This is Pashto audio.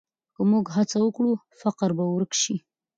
که موږ هڅه وکړو، فقر به ورک شي.